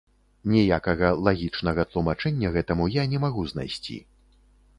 Ніякага лагічнага тлумачэння гэтаму я не магу знайсці.